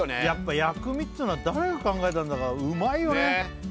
やっぱ薬味っていうのは誰が考えたんだかうまいよね！